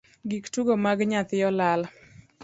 Gik tugo mag nyathi olal.